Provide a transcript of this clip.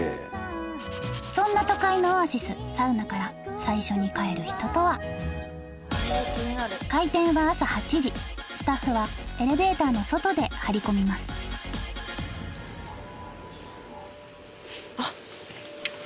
そんな都会のオアシスサウナから開店は朝８時スタッフはエレベーターの外で張り込みますあっ。